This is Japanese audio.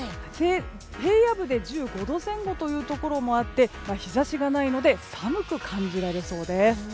平野部では５度前後というところもあって日差しがないので寒く感じられそうです。